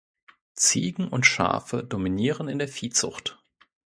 Ziegen und Schafe dominieren in der Viehzucht.